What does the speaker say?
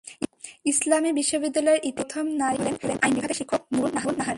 ইসলামী বিশ্ববিদ্যালয়ের ইতিহাসে প্রথম নারী ডিন হলেন আইন বিভাগের শিক্ষক নুরুন নাহার।